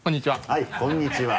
はいこんにちは。